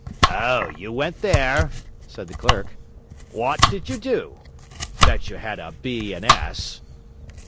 'O, you went there?' said the clerk. 'Wot did you do? Bet you had a B. and S.!'